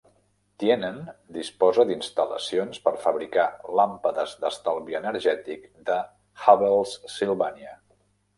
Tienen disposa d'instal·lacions per fabricar làmpades d'estalvi energètic de Havells-Sylvania.